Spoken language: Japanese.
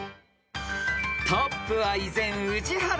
［トップは依然宇治原ペア］